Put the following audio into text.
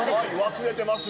忘れてますよ。